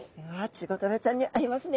チゴダラちゃんに会えますね。